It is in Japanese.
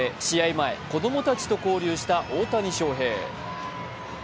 前、子供たちと交流した大谷翔平。